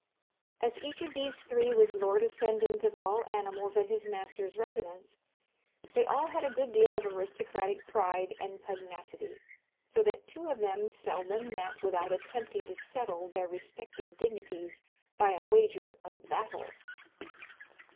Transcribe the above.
As each of these three was lord ascendant of all animals at his master's residence, they all had a good deal of aristocratic pride and pugnacity, so that two of them seldom met without attempting to settle their respective dignities by a wager of battle.